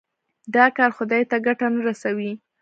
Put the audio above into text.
دا کار خدای ته ګټه نه رسوي.